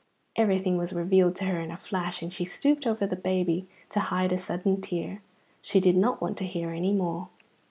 Everything was revealed to her in a flash, and she stooped over the baby to hide a sudden tear. She did not want to hear any more.